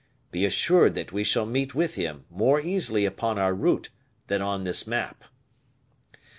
Be assured that we shall meet with him more easily upon our route than on this map."